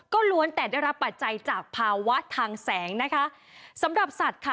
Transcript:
ก็ล้วนแต่ได้รับปัจจัยจากภาวะทางแสงนะคะสำหรับสัตว์ค่ะ